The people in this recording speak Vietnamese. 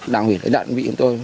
đảng ủy đại đơn vị của tôi